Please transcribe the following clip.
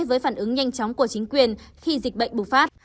với phản ứng nhanh chóng của chính quyền khi dịch bệnh bùng phát